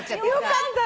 よかった。